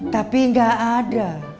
tapi gak ada